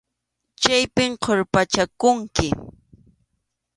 Chaypi qurpachakunki.